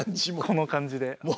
この感じで？